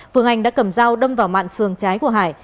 phương anh đã cầm dao đâm vào mạng sườn trái của hải